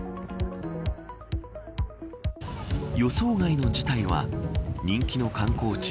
予想外の事態は人気の観光地